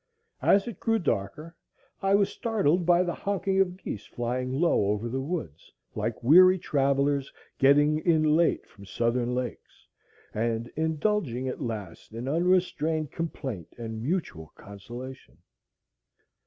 As it grew darker, I was startled by the honking of geese flying low over the woods, like weary travellers getting in late from southern lakes, and indulging at last in unrestrained complaint and mutual consolation.